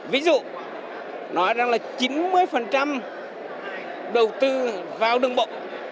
ví dụ nói rằng là chín mươi đầu tư vào đường bộ